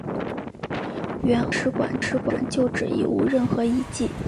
原俄国使馆旧址已无任何遗迹。